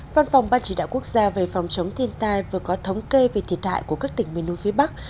văn phòng ban chỉ đạo quốc gia về phòng chống thiên tai vừa có thống kê về thiệt hại của các tỉnh miền núi phía bắc